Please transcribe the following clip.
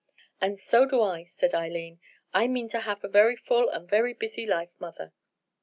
"And so do I," said Eileen. "I mean to have a very full and very busy life, mother."